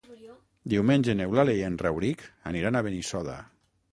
Diumenge n'Eulàlia i en Rauric aniran a Benissoda.